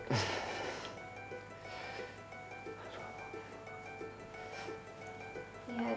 iya aja kan cuma pak